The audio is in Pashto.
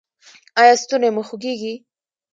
ایا ستونی مو خوږیږي؟